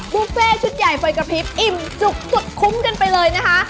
บุฟเฟ่ชุดใหญ่ไฟกระพริบอิ่มจุกสุดคุ้มกันไปเลยนะคะ